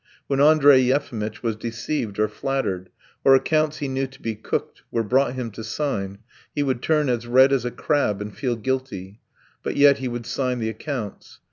When Andrey Yefimitch was deceived or flattered, or accounts he knew to be cooked were brought him to sign, he would turn as red as a crab and feel guilty, but yet he would sign the accounts.